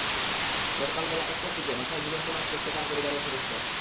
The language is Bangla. গতকাল বেলা একটার দিকে বাসায় ঝুলন্ত লাশ দেখতে পান পরিবারের সদস্যরা।